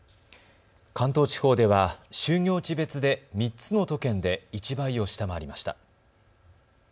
関東地方では就業地別で３つの都県で１倍を下回りました。